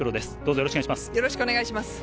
よろしくお願いします。